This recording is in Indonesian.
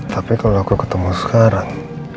tapi kalau aku ketemu sekarang